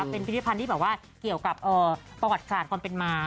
เป็นพิเศษพันธ์ที่บอกว่าเกี่ยวกับโปรโจรกรรมก่อนเป็นมา